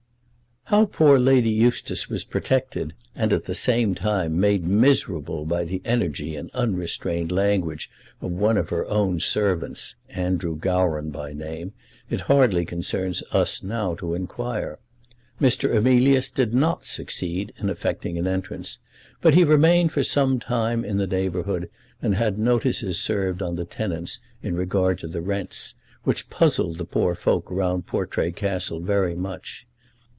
How poor Lady Eustace was protected, and, at the same time, made miserable by the energy and unrestrained language of one of her own servants, Andrew Gowran by name, it hardly concerns us now to inquire. Mr. Emilius did not succeed in effecting an entrance; but he remained for some time in the neighbourhood, and had notices served on the tenants in regard to the rents, which puzzled the poor folk round Portray Castle very much.